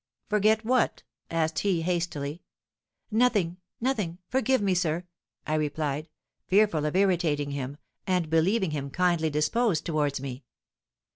'Forget what?' asked he, hastily. 'Nothing, nothing, forgive me, sir!' I replied, fearful of irritating him, and believing him kindly disposed towards me.